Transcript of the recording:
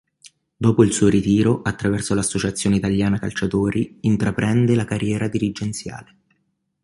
Dopo il suo ritiro, attraverso l'Associazione Italiana Calciatori, intraprende la carriera dirigenziale.